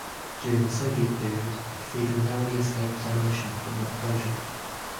During the Soviet period, the cathedral narrowly escaped demolition, but not closure.